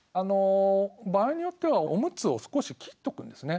場合によってはオムツを少し切っとくんですね。